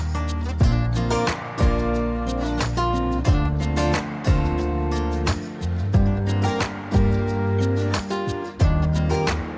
สวัสดีครับ